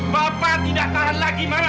bapak tidak tahan lagi marah